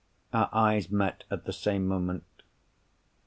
Our eyes met at the same moment.